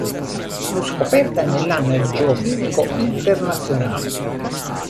Fu scoperta nell'anno geofisico internazionale.